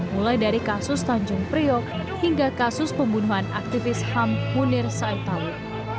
mulai dari kasus tanjung priok hingga kasus pembunuhan aktivis ham munir saitawi